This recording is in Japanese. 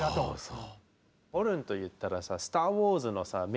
そう。